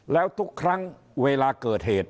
แล้วทุกครั้งเวลาเกิดเหตุ